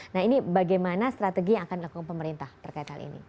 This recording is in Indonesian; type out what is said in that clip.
nah ini bagaimana strategi yang akan dilakukan pemerintah terkait hal ini